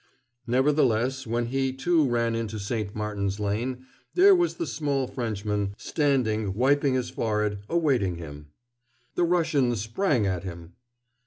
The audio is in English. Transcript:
Nevertheless, when he, too, ran into St. Martin's Lane, there was the small Frenchman, standing, wiping his forehead, awaiting him. The Russian sprang at him.